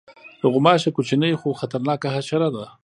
غوماشه کوچنۍ خو خطرناکه حشره ده.